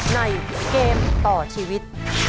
ในเกมต่อชีวิต